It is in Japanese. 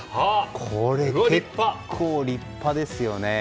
これ、結構立派ですよね。